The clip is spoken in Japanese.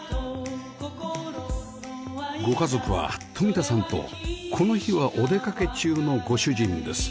ご家族は冨田さんとこの日はお出かけ中のご主人です